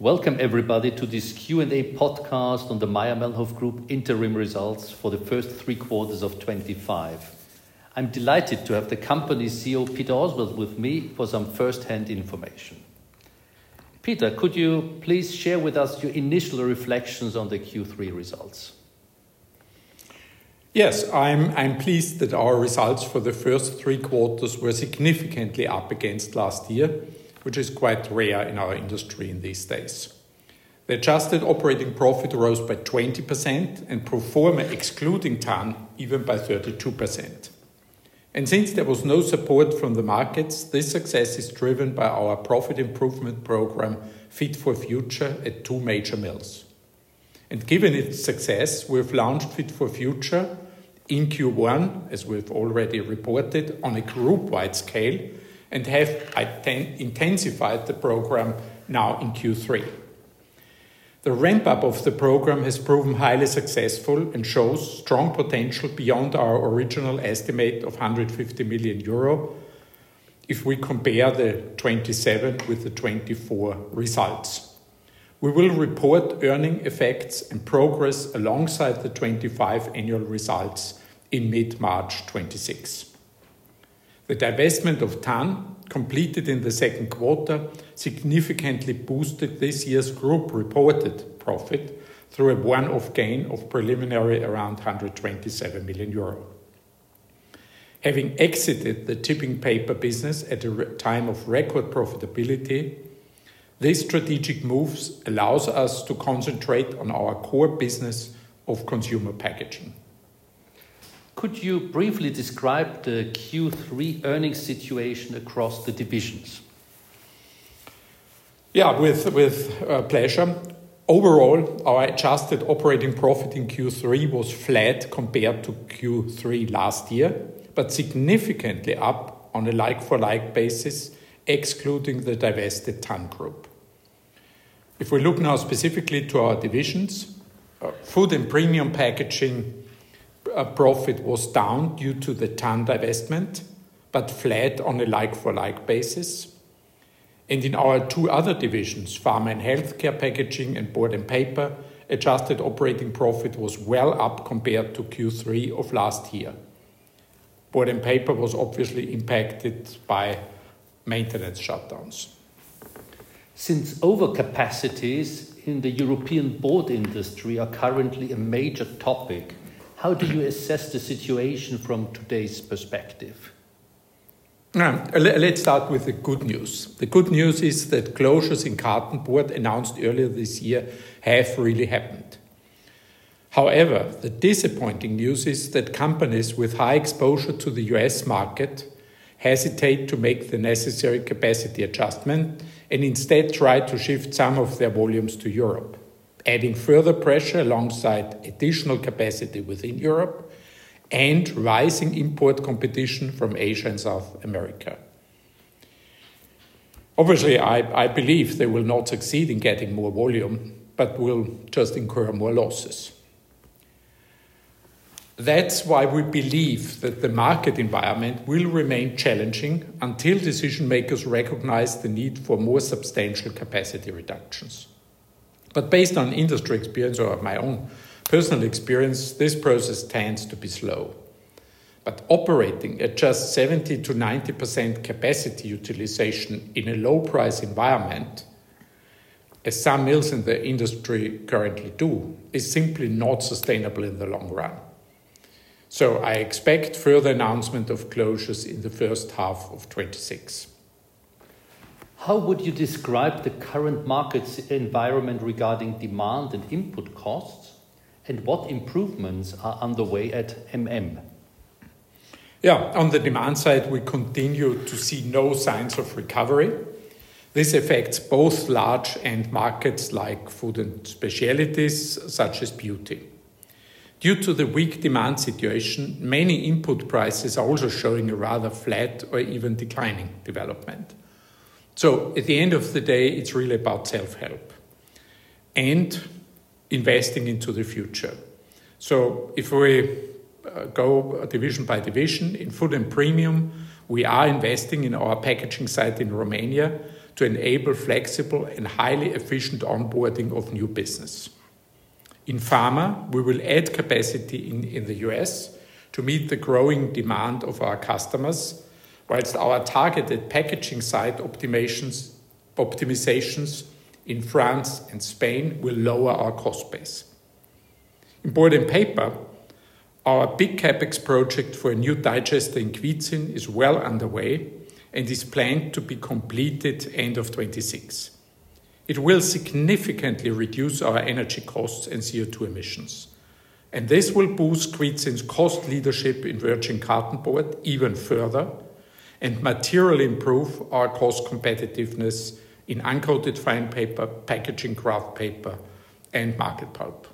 Welcome, everybody, to this Q&A podcast on the Mayr-Melnhof Group interim results for the first three quarters of 2025. I'm delighted to have the company's CEO, Peter Oswald, with me for some first-hand information. Peter, could you please share with us your initial reflections on the Q3 results? Yes, I'm pleased that our results for the first three quarters were significantly up against last year, which is quite rare in our industry in these days. The adjusted operating profit rose by 20% and pro forma excluding TANN, even by 32%. And since there was no support from the markets, this success is driven by our profit improvement program, Fit for Future, at two major mills. And given its success, we've launched Fit for Future in Q1, as we've already reported, on a group-wide scale, and have intensified the program now in Q3. The ramp-up of the program has proven highly successful and shows strong potential beyond our original estimate of 150 million euro if we compare the 2027 with the 2024 results. We will report earnings effects and progress alongside the 2025 annual results in mid-March 2026. The divestment of Tann, completed in the second quarter, significantly boosted this year's group reported profit through a one-off gain of preliminarily around 127 million euro. Having exited the tipping paper business at a time of record profitability, this strategic move allows us to concentrate on our core business of consumer packaging. Could you briefly describe the Q3 earnings situation across the divisions? Yeah, with pleasure. Overall, our adjusted operating profit in Q3 was flat compared to Q3 last year, but significantly up on a like-for-like basis, excluding the divested Tann Group. If we look now specifically to our divisions, Food and Premium Packaging profit was down due to the Tann divestment, but flat on a like-for-like basis. And in our two other divisions, Pharma and Healthcare Packaging and Board and Paper, adjusted operating profit was well up compared to Q3 of last year. Board and Paper was obviously impacted by maintenance shutdowns. Since overcapacities in the European board industry are currently a major topic, how do you assess the situation from today's perspective? Let's start with the good news. The good news is that closures in cartonboard announced earlier this year have really happened. However, the disappointing news is that companies with high exposure to the U.S. market hesitate to make the necessary capacity adjustment and instead try to shift some of their volumes to Europe, adding further pressure alongside additional capacity within Europe and rising import competition from Asia and South America. Obviously, I believe they will not succeed in getting more volume, but will just incur more losses. That's why we believe that the market environment will remain challenging until decision-makers recognize the need for more substantial capacity reductions. But based on industry experience or my own personal experience, this process tends to be slow. But operating at just 70%-90% capacity utilization in a low-price environment, as some mills in the industry currently do, is simply not sustainable in the long run. So I expect further announcement of closures in the first half of 2026. How would you describe the current market environment regarding demand and input costs, and what improvements are underway at MM? Yeah, on the demand side, we continue to see no signs of recovery. This affects both large end markets like food and specialties such as beauty. Due to the weak demand situation, many input prices are also showing a rather flat or even declining development. So at the end of the day, it's really about self-help and investing into the future. So if we go division by division in food and premium, we are investing in our packaging site in Romania to enable flexible and highly efficient onboarding of new business. In pharma, we will add capacity in the U.S. to meet the growing demand of our customers, while our targeted packaging site optimizations in France and Spain will lower our cost base. In board and paper, our big CapEx project for a new digester in Kwidzyn is well underway and is planned to be completed end of 2026. It will significantly reduce our energy costs and CO2 emissions and this will boost Kwidzyn's cost leadership in virgin cartonboard even further and materially improve our cost competitiveness in uncoated fine paper, packaging kraft paper, and market pulp.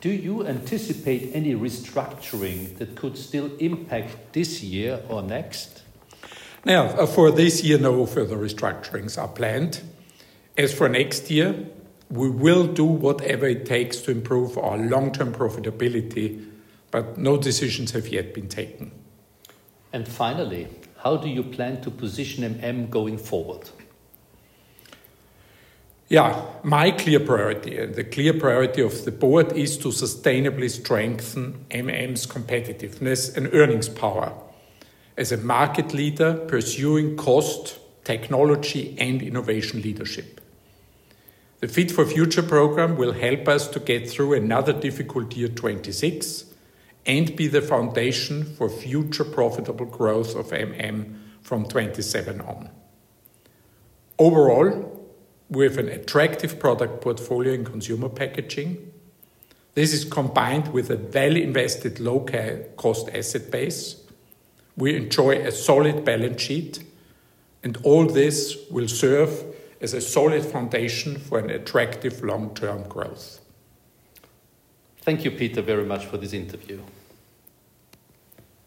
Do you anticipate any restructuring that could still impact this year or next? Now, for this year, no further restructurings are planned. As for next year, we will do whatever it takes to improve our long-term profitability, but no decisions have yet been taken. Finally, how do you plan to position going forward? Yeah, my clear priority and the clear priority of the board is to sustainably strengthen MM's competitiveness and earnings power as a market leader pursuing cost, technology, and innovation leadership. The Fit for Future program will help us to get through another difficult year 2026 and be the foundation for future profitable growth from 2027 on. Overall, we have an attractive product portfolio in consumer packaging. This is combined with a value-invested low-cost asset base. We enjoy a solid balance sheet, and all this will serve as a solid foundation for an attractive long-term growth. Thank you, Peter, very much for this interview.